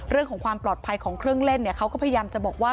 เรื่องของความปลอดภัยของเครื่องเล่นเขาก็พยายามจะบอกว่า